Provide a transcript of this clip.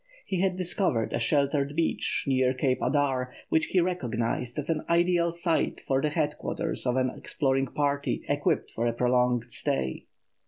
He had discovered a sheltered beach, near Cape Adare, which he recognised as an ideal site for the headquarters of an exploring party equipped for a prolonged stay.